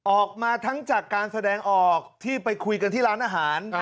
ออกมาทั้งจากการแสดงออกที่ไปคุยกันที่ร้านอาหาร